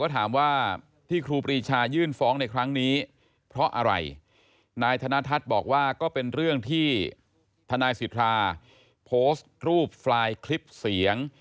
ทันายสิทธาโปสต์รูปล่ายคลิปเสียง